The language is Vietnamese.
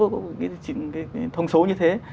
cái thông số như thế